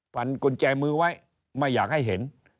พันกุญแจมือไว้ไม่อยากให้เห็น